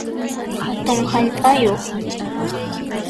Hatun hallp'ayuq